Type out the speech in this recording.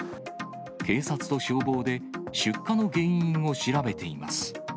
警察と消防で、出火の原因を調べています。